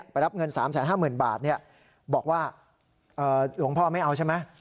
ไปรับเงิน๓๕๐๐๐บาทบอกว่าหลวงพ่อไม่เอาใช่ไหม